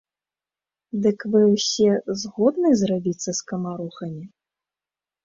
Дык вы ўсе згодны зрабіцца скамарохамі?